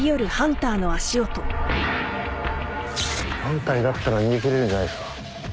４体だったら逃げ切れるんじゃないですか？